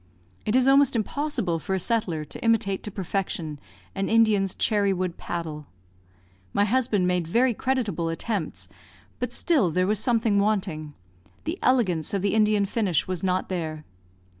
It is almost impossible for a settler to imitate to perfection an Indian's cherry wood paddle. My husband made very creditable attempts, but still there was something wanting the elegance of the Indian finish was not there.